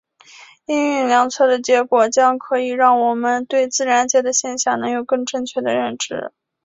应用量测的结果将可以让我们对自然界的现象能有更正确的认知。